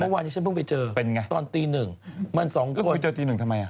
เมื่อวานนี้ฉันเพิ่งไปเจอตอนตีหนึ่งเหมือนสองคนแล้วคุณไปเจอตีหนึ่งทำไม